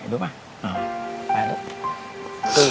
ดูมะไปลูก